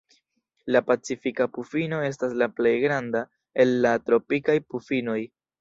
La Pacifika pufino estas la plej granda el la tropikaj pufinoj.